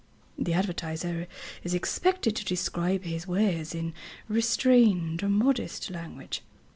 The advertiser is expected to describe his wares in restrained, modest language.